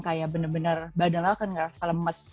kayak benar benar badan aku kan tidak rasa lemes